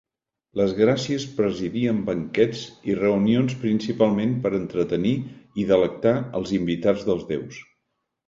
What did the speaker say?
Les Gràcies presidien banquets i reunions principalment per entretenir i delectar els invitats dels Déus.